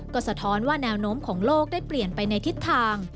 ก็สะท้อนว่าแนวโน้มของโลกได้เปลี่ยนไปในทิศทาง